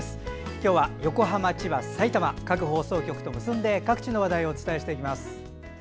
今日は横浜、千葉、さいたま各放送局と結んで各地の話題をお伝えしていきます。